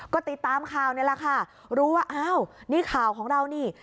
ก็ติดตามข่าวนี่แหละค่ะรู้ว่าอ้าวนี่ข่าวของเรานี่